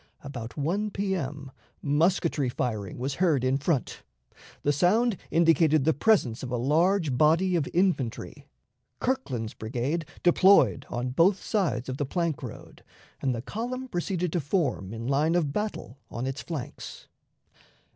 About 1 P.M. musketry firing was heard in front; the sound indicated the presence of a large body of infantry. Kirkland's brigade deployed on both sides of the plank road, and the column proceeded to form in line of battle on its flanks.